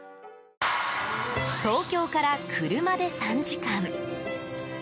東京から車で３時間。